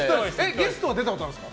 ゲストは出たことあるんですか？